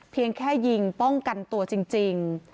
เพียงแค่ยิงป้องกันตัวจริง